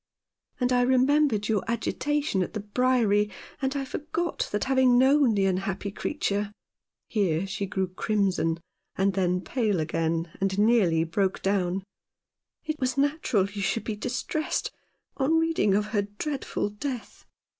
And I remembered your agitation at the Briery — and I forgot that having known the unhappy creature "— here she grew crimson and then pale again, and nearly broke down —" it was natural you should be distressed on reading of her dreadful death.